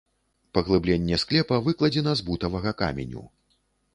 Паглыбленне склепа выкладзена з бутавага каменю.